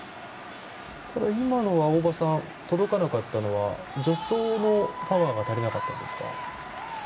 今、届かなかったのは助走のパワーが足りなかったですか？